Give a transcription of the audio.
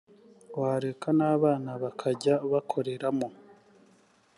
wareka n’ abana bakajya bakoreramo.